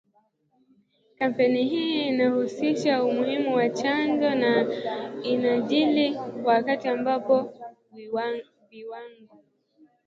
Kampeni hii inahusisha umuhimu wa chanjo na inajiri wakati ambapo viwango